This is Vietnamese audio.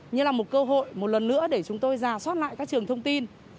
như là một cơ hội một lần nữa để chúng tôi giả soát lại các trường thông tin